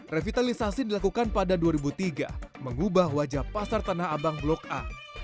revitalisasi dilakukan pada dua ribu tiga mengubah wajah pasar tanah abang blok a